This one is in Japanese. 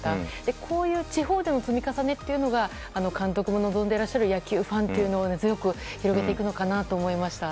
こういう地方での積み重ねっていうのが監督も望んでいらっしゃる野球ファンというのを強く広げていくのかなと思いました。